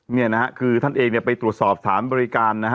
เนี่ยนะฮะคือท่านเองเนี่ยไปตรวจสอบสถานบริการนะฮะ